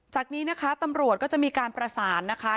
จากนี้นะคะตำรวจก็จะมีการประสานนะคะ